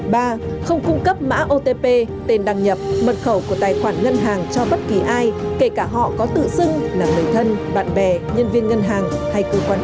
ba không cung cấp mã otp tên đăng nhập mật khẩu của tài khoản ngân hàng cho bất kỳ ai kể cả họ có tự xưng là người thân bạn bè nhân viên ngân hàng hay cơ quan nhà nước